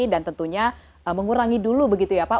dan tentunya mengurangi dulu begitu ya pak